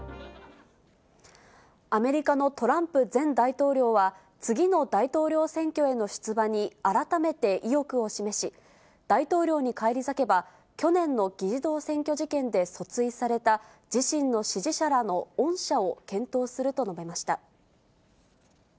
アメリカのトランプ前大統領は、次の大統領選挙への出馬に改めて意欲を示し、大統領に返り咲けば、去年の議事堂占拠事件で訴追された自身の支持者らの恩赦を検討すると述べました。